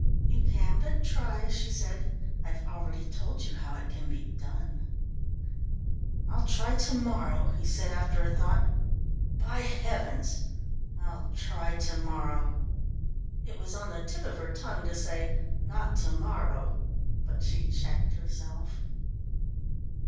"You can but try," she said. "I've already told you how it can be done." "I'll try to morrow," he said after a thought. "By heavens, I'll try to morrow!" It was on the tip of her tongue to say "Not to morrow," but she checked herself.